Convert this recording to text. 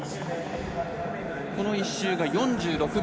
この１周が４６秒。